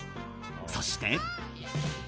そして。